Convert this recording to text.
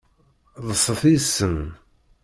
Ḍset yid-sen.